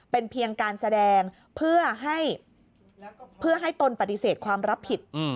เป็นเพียงการแสดงเพื่อให้เพื่อให้ตนปฏิเสธความรับผิด